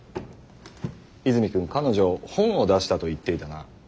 泉君彼女本を出したと言っていたな。